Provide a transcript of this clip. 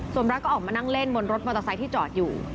สมรักก็ออกมานั่งเล่นบนรถมอเตอร์ไซค์ที่จอดอยู่